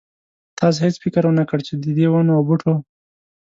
تاسې هېڅ فکر ونه کړ چې ددې ونو او بوټو.